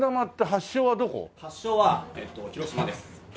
発祥は広島です。